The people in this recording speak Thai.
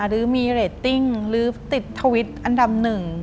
หรือมีเรตติ้งหรือติดทวิตอันดับหนึ่ง